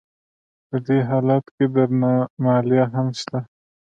په دې حالت کې درنه مالیه هم شته